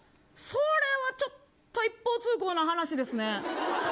それはちょっと一方通行な話ですね。